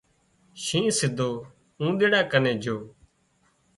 شينهن سِڌو اونۮيڙا ڪنين جھو